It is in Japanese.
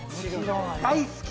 大好き！